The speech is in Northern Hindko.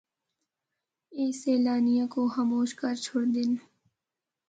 اے سیلانیاں کو خاموش کر چُھڑدے ہن۔